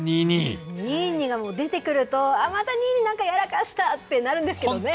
ニーニーがもう出てくると、ああ、またニーニーやらかしたってなるんですけどね。